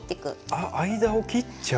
あっ間を切っちゃう。